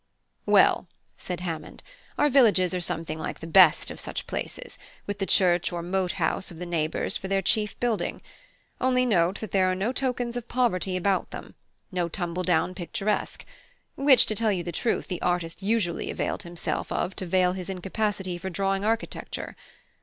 "Well," said Hammond, "our villages are something like the best of such places, with the church or mote house of the neighbours for their chief building. Only note that there are no tokens of poverty about them: no tumble down picturesque; which, to tell you the truth, the artist usually availed himself of to veil his incapacity for drawing architecture.